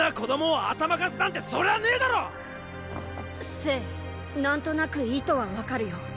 政何となく意図は分かるよ。